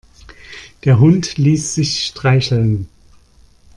Der Hund ließ sich streicheln.